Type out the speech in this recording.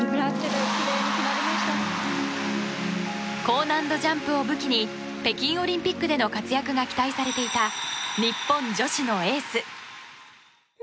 高難度ジャンプを武器に北京オリンピックでの活躍が期待されていた日本女子のエース。